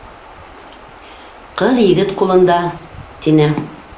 Ҡыҙ егет ҡулында, — тине.